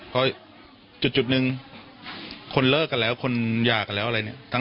เพราะจุดหนึ่งคนเลิกกันแล้วคนหย่ากันแล้วอะไรเนี่ย